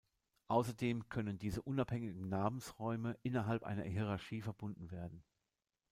Außerdem können diese unabhängigen Namensräume innerhalb einer Hierarchie verbunden werden.